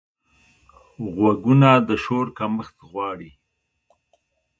غوږونه د شور کمښت غواړي